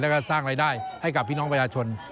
แล้วก็สร้างรายได้ให้กับพี่น้องประชาชน